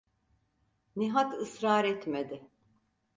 Nihat ısrar etmedi.